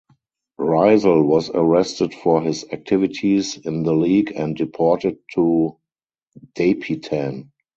Rizal was arrested for his activities in the league and deported to Dapitan.